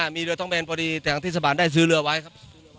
มีเรือท่องแบนพอดีแต่ที่สะบานได้ซื้อเรือไว้ครับ